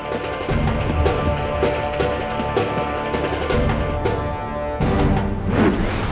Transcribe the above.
aku mencintaikannya hingga aku mati